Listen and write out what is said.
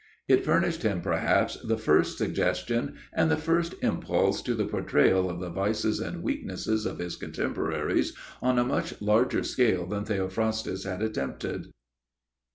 It furnished him, perhaps, the first suggestion and the first impulse to the portrayal of the vices and weaknesses of his contemporaries on a much larger scale than Theophrastus had attempted.